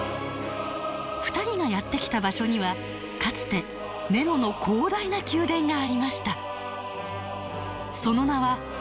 ２人がやって来た場所にはかつてネロの広大な宮殿がありました。